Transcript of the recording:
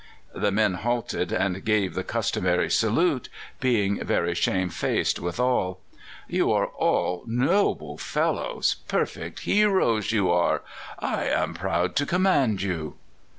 The men halted and gave the customary salute, being very shamefaced withal. "You are all noble fellows; perfect heroes you are. I am proud to command you!"